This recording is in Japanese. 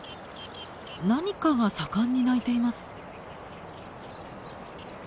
何かが盛んに鳴いています。